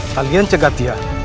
kalian jaga dia